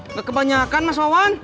nggak kebanyakan mas wawan